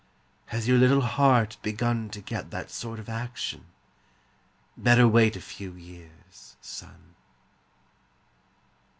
Has your little heart begun To get that sort of action? Better wait a few years, son.